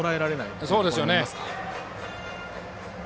そうですよね。